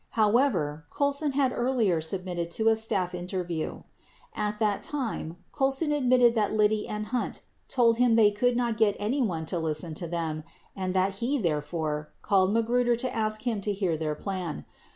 However, Colson had earlier submitted to a staff inter view. At that time Colson admitted that. Liddy and Hunt told him they could not get anyone to listen to them and that he, therefore, called Magruder to ask him to hear their plan.